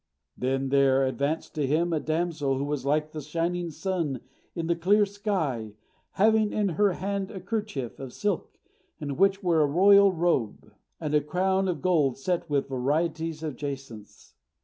Then there advanced to him a damsel who was like the shining sun in the clear sky, having in her hand a kerchief of silk, in which were a royal robe, and a crown of gold set with varieties of jacinths.